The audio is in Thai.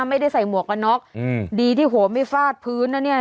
เขาไม่ได้ใส่หมักกระนอกดีที่โหไม่ฟาดพื้นแล้วเนี่ย